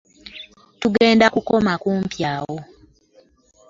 Tugenda kukoma kumpi awo.